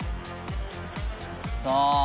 「さあ」